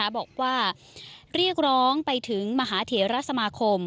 บอกว่าเรียกร้องไปถึงมหาเถระสมาคม